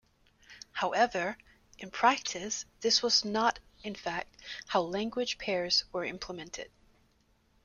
However, in practice this was not in fact how language pairs were implemented.